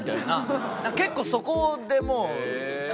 結構そこでもう壁に。